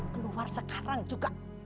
keluar sekarang juga